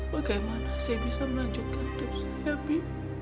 bagaimana saya bisa melanjutkan hidup saya habib